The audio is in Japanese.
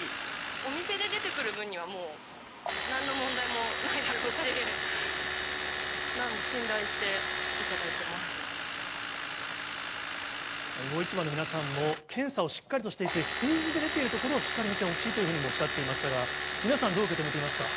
お店で出てくる分にはもうなんの問題もないだろうし、信頼して頂魚市場の皆さんも、検査をしっかりとしていて、数字で出ているところをしっかり見てほしいというふうにもおっしゃっていましたが、皆さん、どう受け止めていますか。